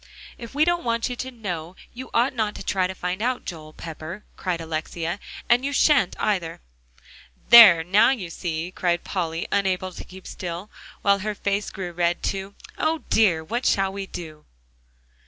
"If we don't want you to know, you ought not to try to find out, Joel Pepper," cried Alexia. "And you shan't, either." "There, now you see," cried Polly, unable to keep still, while her face grew red too. "O dear! what shall we do?"